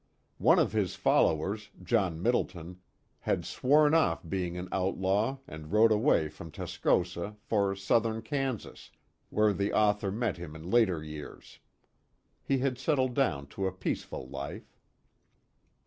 One of his followers, John Middleton, had sworn off being an outlaw and rode away from Tascosa, for southern Kansas, where the author met him in later years. He had settled down to a peaceful life.